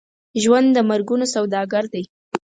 ژوند د مرګونو سوداګر دی.